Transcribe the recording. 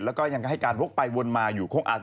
แล้วก็ยังให้การวกไปวนมาอยู่คงอัน